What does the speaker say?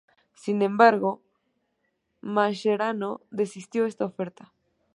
Sin embargo, Mascherano desistió esta oferta.